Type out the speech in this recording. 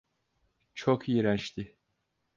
Çok iğrençti.